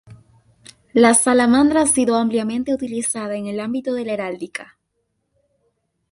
La salamandra ha sido ampliamente utilizada en el ámbito de la heráldica.